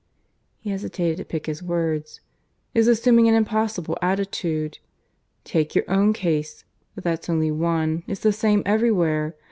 ." (he hesitated, to pick his words) "is assuming an impossible attitude. Take your own case; though that's only one: it's the same everywhere.